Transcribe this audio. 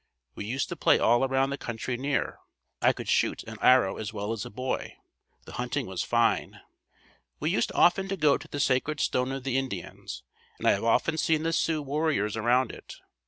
We used to play all around the country near. I could shoot an arrow as well as a boy. The hunting was fine. We used often to go to the sacred stone of the Indians and I have often seen the Sioux warriors around it.